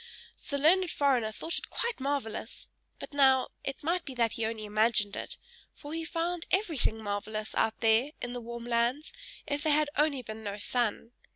The learned foreigner thought it quite marvellous, but now it might be that he only imagined it for he found everything marvellous out there, in the warm lands, if there had only been no sun.